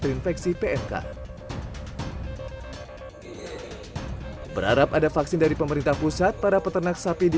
terinfeksi pmk berharap ada vaksin dari pemerintah pusat para peternak sapi di